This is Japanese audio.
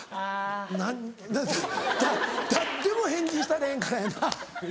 何だ誰も返事したれへんからやな